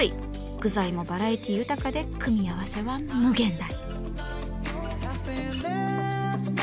具材もバラエティー豊かで組み合わせは無限大。